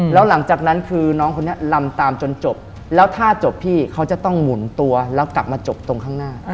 แล้วหลังจากนั้นคือน้องคนนี้ลำตามจนจบแล้วถ้าจบพี่เขาจะต้องหมุนตัวแล้วกลับมาจบตรงข้างหน้า